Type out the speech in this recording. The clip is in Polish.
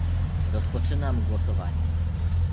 Rozpoczynam głosowanie